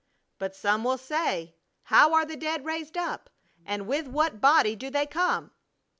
"But some will say, How are the dead raised up? And with what body do they come?"